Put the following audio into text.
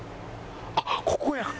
あっここやん！